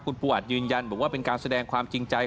คุณปูอัดยืนยันบอกว่าเป็นการแสดงความจริงใจ